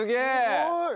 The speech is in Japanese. すごい！